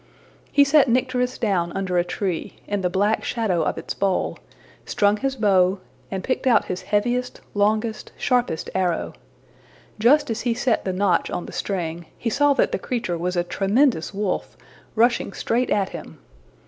He set Nycteris down under a tree, in the black shadow of its bole, strung his bow, and picked out his heaviest, longest, sharpest arrow. Just as he set the notch on the string, he saw that the creature was a tremendous wolf, rushing straight at him.